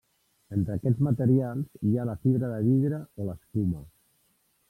Entre aquests materials hi ha la fibra de vidre o l'escuma.